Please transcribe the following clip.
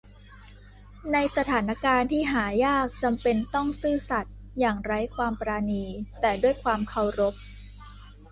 ในสถานการณ์ที่หายากจำเป็นต้องซื่อสัตย์อย่างไร้ความปราณี แต่ด้วยความเคารพ